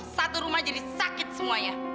satu rumah jadi sakit semuanya